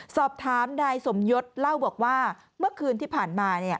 สอบถามนายสมยศเล่าบอกว่าเมื่อคืนที่ผ่านมา